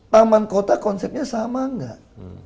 taman kota konsepnya sama nggak